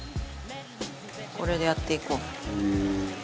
これでやっていこう。